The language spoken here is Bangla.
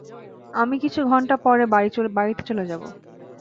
আমি কিছু ঘন্টা পরে বাড়িতে চলে যাব।